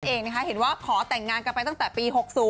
เองนะคะเห็นว่าขอแต่งงานกันไปตั้งแต่ปี๖๐